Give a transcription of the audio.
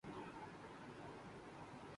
جو بعد میں انسانی رویوں کی صورت اختیار کر لیتا ہے